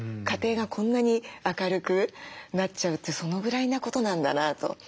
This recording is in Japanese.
家庭がこんなに明るくなっちゃうってそのぐらいなことなんだなと。